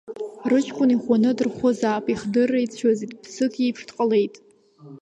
Рыҷкәын иӷәӷәаны дырхәызаап, ихдырра ицәы-ӡит, ԥсык иеиԥш дҟалеит.